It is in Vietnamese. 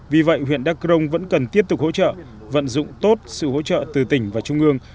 vì vậy huyện đắk rông vẫn cần tiếp tục hỗ trợ vận dụng tốt sự hỗ trợ từ tỉnh và trung ương